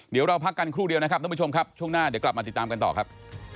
เดี๋ยวเราพักกันครู่เดียวนะครับท่านผู้ชมครับช่วงหน้าเดี๋ยวกลับมาติดตามกันต่อครับ